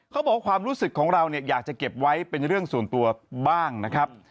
ความรู้สึกของเราเนี่ยอยากจะเก็บไว้เป็นเรื่องส่วนตัวบ้างนะครับ